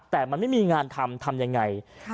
แต่มันไม่มีงานทำทำยังไง